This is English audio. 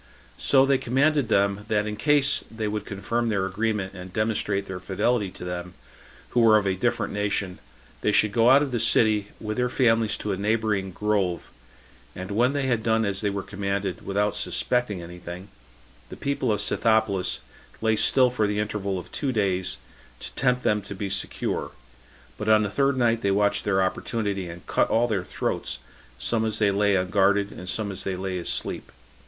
So they commanded them, that in case they would confirm their agreement and demonstrate their fidelity to them, who were of a different nation, they should go out of the city, with their families to a neighboring grove; and when they had done as they were commanded, without suspecting any thing, the people of Scythopolis lay still for the interval of two days, to tempt them to be secure; but on the third night they watched their opportunity, and cut all their throats, some as they lay unguarded, and some as they lay asleep.